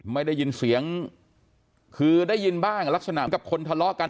ไม่ได้ยินเสียงคือได้ยินบ้างลักษณะกับคนทะเลาะกัน